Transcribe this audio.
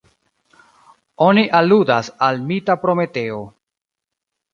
Oni aludas al mita Prometeo.